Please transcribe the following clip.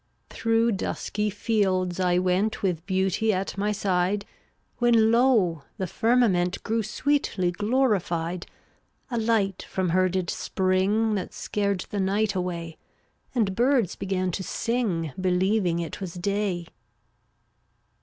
0Utt<$ 361 Through dusky fields I went (fVftAl* With Beauty at my side, „ When lo! the firmament \}M/ Grew sweetly glorified, A light from her did spring That scared the night away, And birds began to sing Believing it was day.